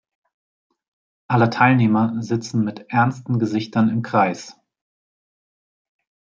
Alle Teilnehmer sitzen mit ernsten Gesichtern im Kreis.